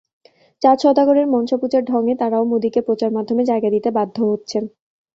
চাঁদ সওদাগরের মনসাপূজার ঢঙে তাঁরাও মোদিকে প্রচারমাধ্যমে জায়গা দিতে বাধ্য হচ্ছেন।